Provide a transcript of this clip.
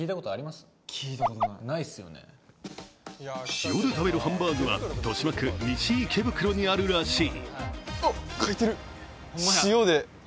塩で食べるハンバーグは豊島区西池袋にあるらしい。